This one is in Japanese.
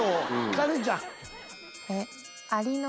カレンちゃん。